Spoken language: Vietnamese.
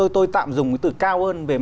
tôi tạm dùng từ cao hơn